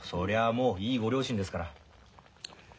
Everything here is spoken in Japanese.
もういいご両親ですから。